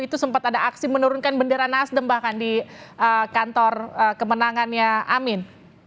itu sempat ada aksi menurunkan bendera nasdem bahkan di kantor kemenangannya amin